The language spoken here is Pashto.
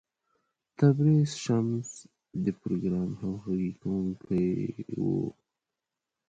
تبریز شمس د پروګرام همغږی کوونکی و.